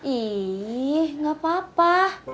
ih gak apa apa